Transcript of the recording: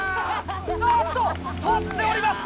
あっと取っております！